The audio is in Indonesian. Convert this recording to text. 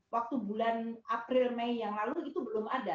waktu bulan april mei yang lalu itu belum ada